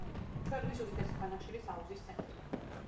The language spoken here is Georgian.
ქვეყნის უდიდესი ქვანახშირის აუზის ცენტრი.